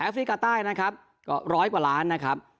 วิทยากาไทย๑๐๐๐๐๐๐๐๐บาท